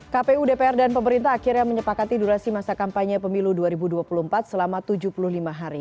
kpu dpr dan pemerintah akhirnya menyepakati durasi masa kampanye pemilu dua ribu dua puluh empat selama tujuh puluh lima hari